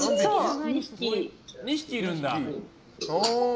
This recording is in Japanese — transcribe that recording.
２匹いるんだ。